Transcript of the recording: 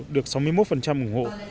được sáu mươi một ủng hộ